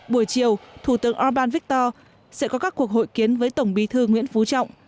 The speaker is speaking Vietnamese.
buổi chiều thủ tướng orbán victor sẽ có các cuộc hội kiến với tổng bí thư nguyễn phú trọng